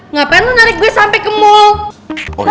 ngapain lo narik gue sampai ke mall